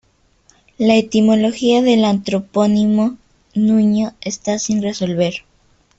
La etimología del antropónimo "Nuño" está sin resolver.